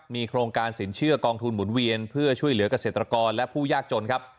มีโครงการสินเชื่อกองทุนหมุนเวียนเพื่อช่วยเหลือกเกษตรกรและผู้ยากจนครับ